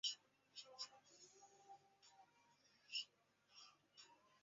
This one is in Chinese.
附近的大都市有考文垂和伯明翰。